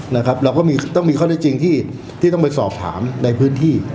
นะครับเราก็มีต้องมีข้อได้จริงที่ต้องไปสอบถามในพื้นที่